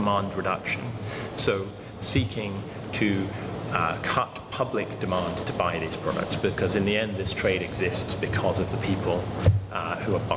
เมื่อคนกำลังการปล่อยสัตว์ปลา